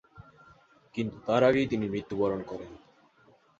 কিন্তু তার আগেই তিনি মৃত্যুবরণ করেন।